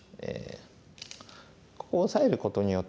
ここをオサえることによってですね